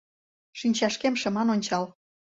Шинчашкем шыман ончал